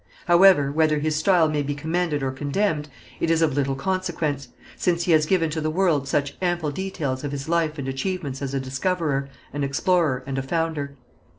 However, whether his style may be commended or condemned, it is of little consequence, since he has given to the world such ample details of his life and achievements as a discoverer, an explorer and a founder.